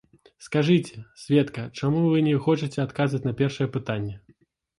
Скажыце, сведка, чаму вы не хочаце адказваць на першае пытанне?